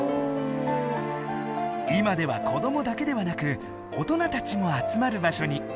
今ではこどもだけではなく大人たちも集まる場所に。